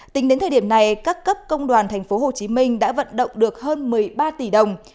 tính đến thời điểm này các cấp công đoàn tp hcm đã vận động được hơn một mươi ba tỷ đồng